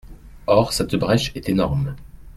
Or cette brèche est énorme.